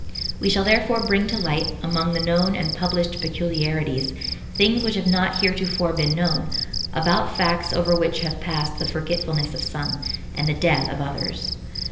We shall therefore bring to light, among the known and published peculiarities, things which have not heretofore been known, about facts over which have passed the forgetfulness of some, and the death of others.